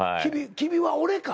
君は俺か。